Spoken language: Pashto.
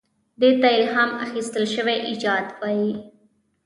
دې ته الهام اخیستل شوی ایجاد وایي.